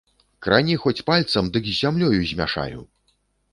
Крані хоць пальцам, дык з зямлёю змяшаю!!